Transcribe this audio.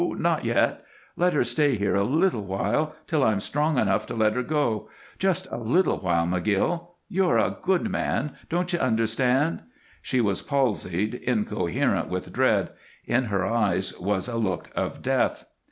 Not yet. Let her stay here a little while till I'm strong enough to let her go. Just a little while, McGill. You're a good man. Don't you understand?" She was palsied, incoherent with dread; in her eyes was a look of death.